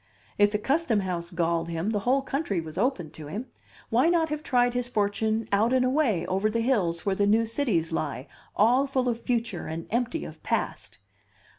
If the Custom House galled him, the whole country was open to him; why not have tried his fortune out and away, over the hills, where the new cities lie, all full of future and empty of past?